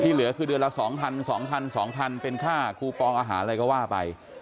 เหลือคือเดือนละ๒๐๐๒๐๐เป็นค่าคูปองอาหารอะไรก็ว่าไป